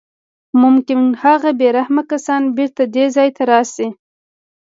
ممکن هغه بې رحمه کسان بېرته دې ځای ته راشي